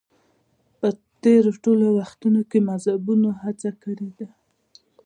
په تېرو ټولو وختونو کې مذهبیونو هڅه کړې ده